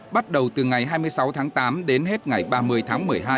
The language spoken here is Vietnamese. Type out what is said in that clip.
bắt đầu từ ngày hai mươi sáu tháng tám đến hết ngày ba mươi tháng một mươi hai